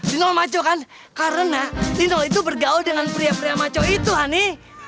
lino maco kan karena lino itu bergaul dengan pria pria maco itu hani